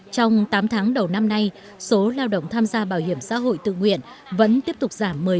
trong tám tháng đầu năm nay số lao động tham gia bảo hiểm xã hội tự nguyện vẫn tiếp tục giảm một mươi năm